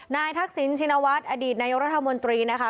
นายทักศิลป์ชินวัฒน์อดีตนายรัฐมนตรีนะคะ